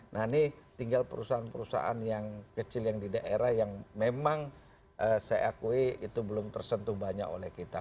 nah ini tinggal perusahaan perusahaan yang kecil yang di daerah yang memang saya akui itu belum tersentuh banyak oleh kita